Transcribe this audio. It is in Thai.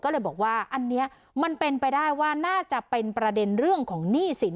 ก็เลยบอกว่าอันนี้มันเป็นไปได้ว่าน่าจะเป็นประเด็นเรื่องของหนี้สิน